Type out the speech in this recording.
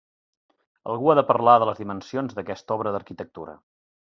Algú ha de parlar de les dimensions d'aquesta obra d'arquitectura.